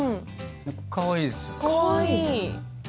かわいいですよ。